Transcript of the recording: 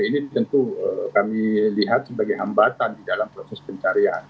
ini tentu kami lihat sebagai hambatan di dalam proses pencarian